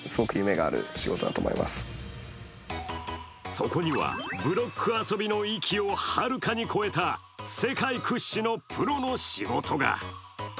そこにはブロック遊びの域をはるかに超えた世界屈指のプロの仕事が。